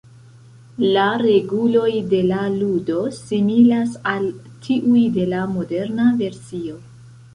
La reguloj de la ludo similas al tiuj de la moderna versio.